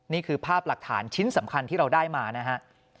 นี่คือภาพหลักฐานชิ้นสำคัญที่เราได้มานะฮะ